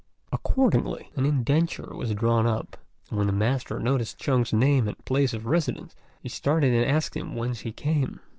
Accordingly, an indenture was drawn up; and when the master noticed Chung's name and place of residence he started, and asked him whence he came.